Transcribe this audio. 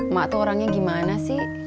mak tuh orangnya gimana sih